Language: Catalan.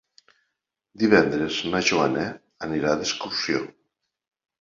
Divendres na Joana anirà d'excursió.